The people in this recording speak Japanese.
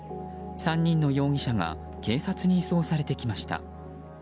３人の容疑者が警察に移送されてきました。